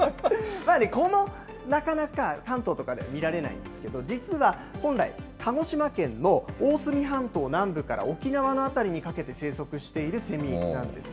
まあね、なかなか関東とかでは見られないんですけれども、実は本来、鹿児島県の大隅半島南部から沖縄の辺りにかけて生息しているセミなんです。